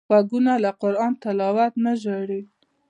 غوږونه له قران تلاوت نه ژاړي